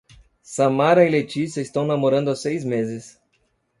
Samara e Letícia estão namorando há seis meses